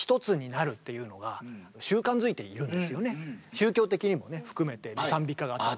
宗教的にもね含めて賛美歌があったり。